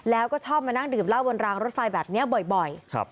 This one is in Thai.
แล้วก็ชอบมานั่งดื่มเหล้าบนรางรถไฟแบบนี้บ่อย